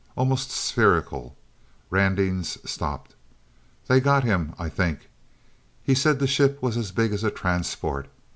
Almost spherical. Randing's stopped. They got him I think. He said the ship was as big as a transport.